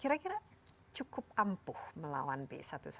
kira kira cukup ampuh melawan b satu ratus dua belas